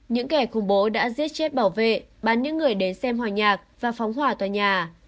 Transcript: những kẻ khủng bố đã giết chết bảo vệ bắn những người đến xem hòa nhạc và phóng hỏa tòa nhà